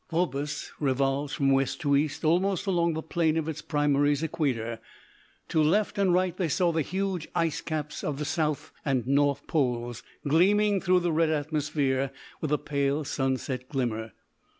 Phobos revolves from west to east almost along the plane of its primary's equator. To left and right they saw the huge ice caps of the South and North Poles gleaming through the red atmosphere with a pale sunset glimmer.